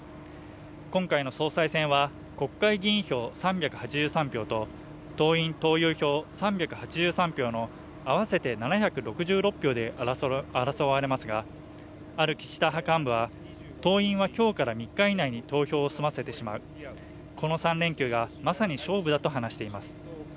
今回の総裁選は国会議員票３８３票と党員・党友３８３票の合わせて７６６票で争われますがある岸田派幹部は当院は今日から３日以内に投票を済ませてしまうこの３連休がまさに勝負だと話しています